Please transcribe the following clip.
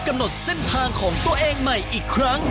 กำหนดเส้นทางของตัวเองใหม่อีกครั้ง